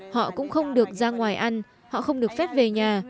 họ cũng không được ra ngoài ăn họ không được phép về nhà